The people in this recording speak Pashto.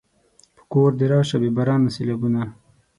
په کور دې راشه بې بارانه سېلابونه